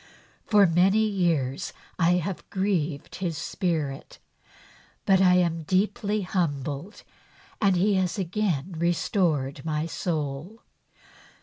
For many years I have grieved His Spirit, but I am deeply humbled and He has again restored my soul.